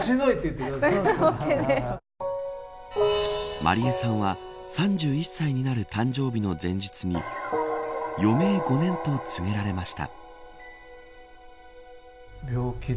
麻莉絵さんは３１歳になる誕生日の前日に余命５年と告げられました。